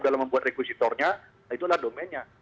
dalam membuat rekusitornya itulah domainnya